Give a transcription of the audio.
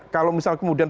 kalau misal kemudian